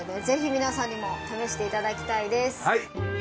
ぜひ皆さんにも試していただきたいです。